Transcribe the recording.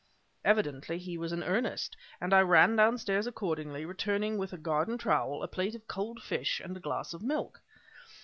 Evidently he was in earnest, and I ran downstairs accordingly, returning with a garden trowel, a plate of cold fish and a glass of milk.